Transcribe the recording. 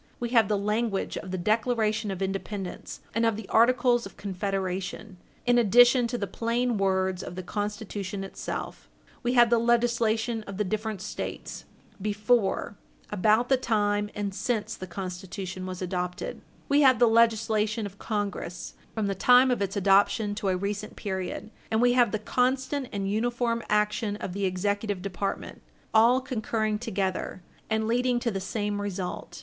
We have the language of the Declaration of Independence and of the Articles of Confederation, in addition to the plain words of the Constitution itself; we have the legislation of the different States, before, about the time, and since the Constitution was adopted; we have the legislation of Congress, from the time of its adoption to a recent period; and we have the constant and uniform action of the Executive Department, all concurring together, and leading to the same result.